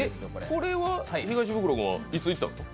これは東ブクロたちはいつ行ったんですか？